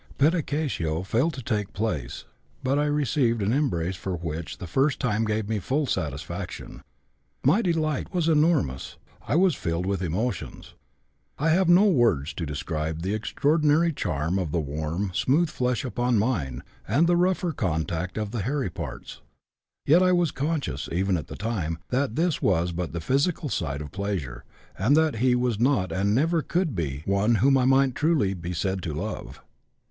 Pedicatio failed to take place, but I received an embrace which for the first time gave me full satisfaction. My delight was enormous; I was filled with emotions. I have no words to describe the extraordinary charm of the warm, smooth flesh upon mine, and the rougher contact of the hairy parts. Yet I was conscious, even at the time, that this was but the physical side of pleasure, and that he was not and never could be one whom I might truly be said to love.